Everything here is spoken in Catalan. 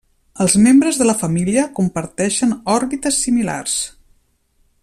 Els membres de la família comparteixen òrbites similars.